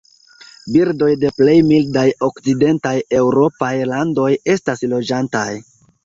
Birdoj de plej mildaj okcidentaj eŭropaj landoj estas loĝantaj.